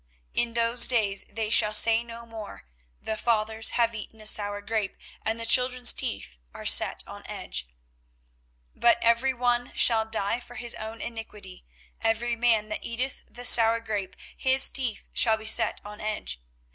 24:031:029 In those days they shall say no more, The fathers have eaten a sour grape, and the children's teeth are set on edge. 24:031:030 But every one shall die for his own iniquity: every man that eateth the sour grape, his teeth shall be set on edge.